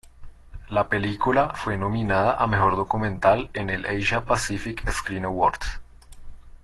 La película fue nominada a mejor documental en el Asia Pacific Screen Awards.